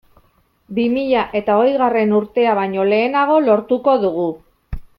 Bi mila eta hogeigarren urtea baino lehenago lortuko dugu.